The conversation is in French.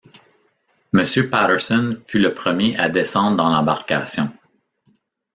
Monsieur Patterson fut le premier à descendre dans l’embarcation.